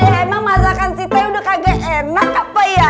emang masakan si tai udah kagak enak apa ya